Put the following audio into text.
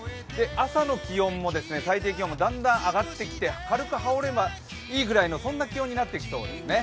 朝の最低気温もだんだん上がってきて、軽く羽織ればいいぐらいの気温になってきそうですね。